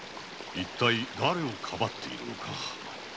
一体だれをかばっているのか。